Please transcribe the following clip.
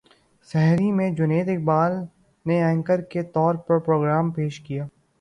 سحری میں جنید اقبال نے اینکر کے طور پر پروگرام پیش کیا